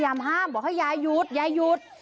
ที่มีภาพเขาพยายามห้ามบอกให้ยายอยุ่ท